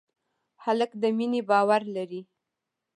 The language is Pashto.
هلک د مینې باور لري.